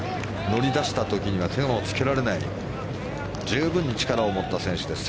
乗り出した時には手のつけられない十分に力を持った選手です。